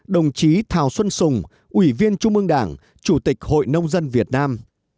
ba mươi ba đồng chí thảo xuân sùng ủy viên trung ương đảng chủ tịch hội nông dân việt nam